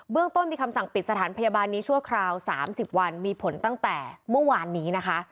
ต้นมีคำสั่งปิดสถานพยาบาลนี้ชั่วคราว๓๐วันมีผลตั้งแต่เมื่อวานนี้นะคะ